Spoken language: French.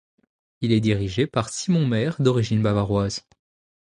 Il est dirigé par Simon Mayr, d’origine bavaroise.